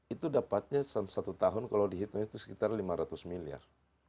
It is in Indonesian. itu dapatnya satu tahun kalau dihitung itu sekitar lima ratus miliar